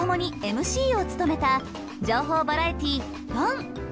ＭＣを務めた情報バラエティ『ＰＯＮ！』。